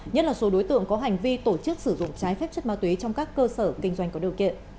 nhất là số đối tượng có hành vi tổ chức sử dụng trái phép chất ma túy trong các cơ sở kinh doanh có điều kiện